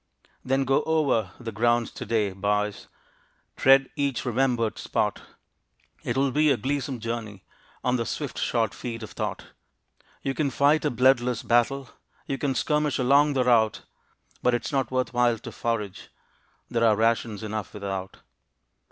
Then go over the ground to day, boys, Tread each remembered spot. It will be a gleesome journey, On the swift shod feet of thought; You can fight a bloodless battle, You can skirmish along the route, But it's not worth while to forage, There are rations enough without.